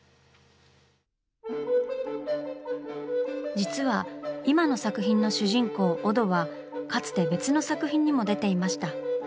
実は今の作品の主人公オドはかつて別の作品にも出ていました。